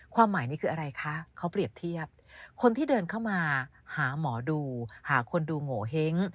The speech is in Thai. หมายนี้คืออะไรคะเขาเปรียบเทียบคนที่เดินเข้ามาหาหมอดูหาคนดูโงเห้ง